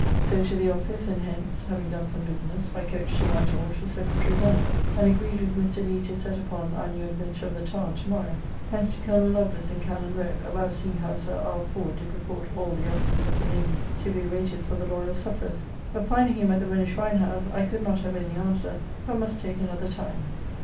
So to the office, and hence, having done some business, by coach to White Hall to Secretary Bennet's, and agreed with Mr. Lee to set upon our new adventure at the Tower to morrow. Hence to Col. Lovelace in Cannon Row about seeing how Sir R. Ford did report all the officers of the navy to be rated for the Loyal Sufferers, but finding him at the Rhenish wine house I could not have any answer, but must take another time.